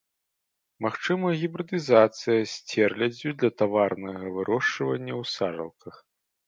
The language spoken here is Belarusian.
Магчыма гібрыдызацыя з сцерляддзю для таварнага вырошчвання ў сажалках.